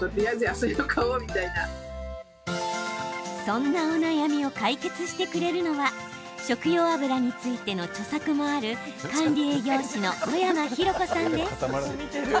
そんなお悩みを解決してくれるのは食用油についての著作もある管理栄養士の小山浩子さんです。